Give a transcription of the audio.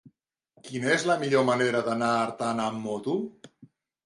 Quina és la millor manera d'anar a Artana amb moto?